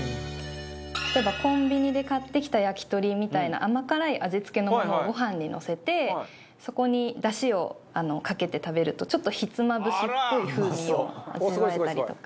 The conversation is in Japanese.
例えばコンビニで買ってきた焼き鳥みたいな甘辛い味付けのものをご飯にのせてそこにだしをかけて食べるとちょっとひつまぶしっぽい風味を味わえたりとか。